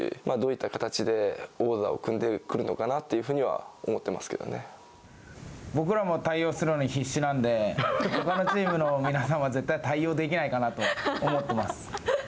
どういった形でオーダーを組んでくるのかなっていうふうには思っ僕らも対応するのに必死なんで、ほかのチームの皆さんは絶対対応できないかなと思ってます。